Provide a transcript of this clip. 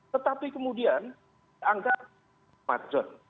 tetapi kemudian dianggap kemajon